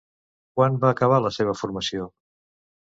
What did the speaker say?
Quan va acabar la seva formació?